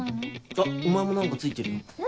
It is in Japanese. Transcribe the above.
あっお前も何か付いてるよ。